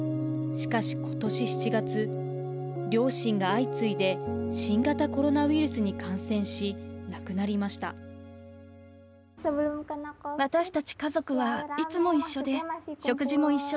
しかし、ことし７月両親が相次いで新型コロナウイルスに感染し亡くなりました。